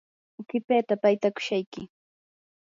qipita paytakushayki.